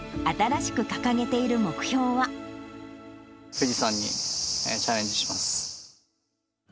富士山にチャレンジします。